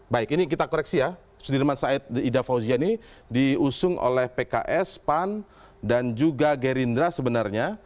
baik ini kita koreksi ya sudirman said ida fauzia ini diusung oleh pks pan dan juga gerindra sebenarnya